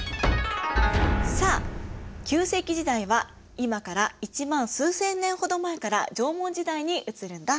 さあ旧石器時代は今から１万数千年ほど前から縄文時代に移るんだ。